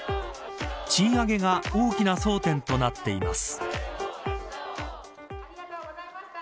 賃上げが大きな争点となっています。